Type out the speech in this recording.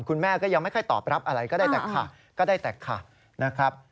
คุณแม่ก็ยังไม่ค่อยตอบรับอะไรก็ได้แต่ค่ะ